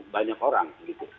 banyak orang gitu